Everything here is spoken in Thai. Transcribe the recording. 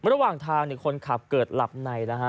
ระหว่างทางคนขับเกิดหลับในนะฮะ